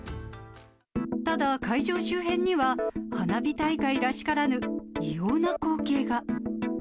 ただ、会場周辺には、花火大会らしからぬ異様な光景が。